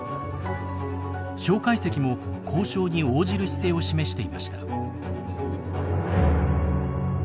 介石も交渉に応じる姿勢を示していました。